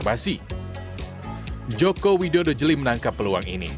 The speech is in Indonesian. bersama si joko widodo jeli menangkap peluang ini